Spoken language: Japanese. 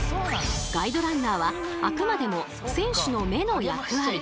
ガイドランナーはあくまでも選手の目の役割。